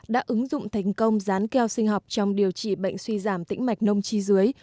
đã ứng dụng thành công rán keo sinh học trong điều trị bệnh suy giảm tĩnh mạch nông chi dưới